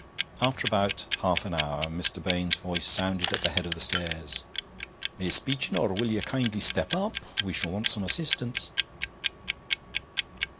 After about half an hour Mr. Baines's voice sounded at the head of the stairs: 'Miss Beechinor, will ye kindly step up? We shall want some asseestance.'